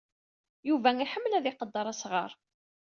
Yuba iḥemmel ad iqedder asɣar.